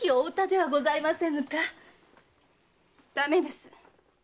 駄目です。